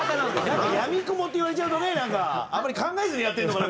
なんか「闇雲」って言われちゃうとねなんかあんまり考えずにやってるのかな？